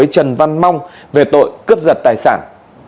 trần văn mong về tội cướp giật tài sản